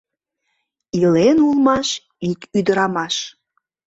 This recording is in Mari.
Илен улмаш ик ӱдырамаш.